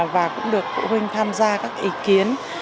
và cũng được phụ huynh tham gia các ý kiến